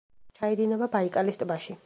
ჩაედინება ბაიკალის ტბაში.